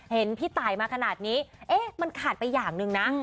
เห็นพี่ตายมาขนาดนี้เอ๊ะมันขาดไปอย่างหนึ่งนะ